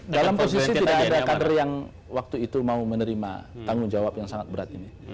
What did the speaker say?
dalam posisi tidak ada kader yang waktu itu mau menerima tanggung jawab yang sangat berat ini